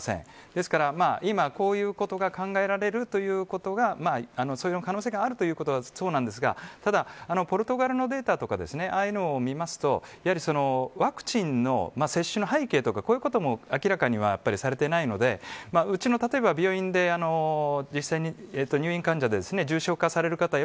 ですから今、こういうことが考えられるということがその可能性があるということはそうなんですがただ、ポルトガルのデータとかを見ますとやはりワクチンの接種の背景とかこういうことも明らかにはされていないのでうちの病院で実際に入院患者で重症化される方は